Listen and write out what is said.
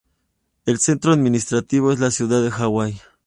El centro administrativo es la ciudad de Hawai.